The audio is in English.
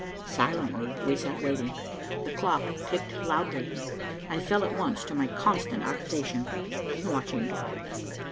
Silently we sat waiting. The clock ticked loudly. I fell at once to my constant occupation, watching Dorothy.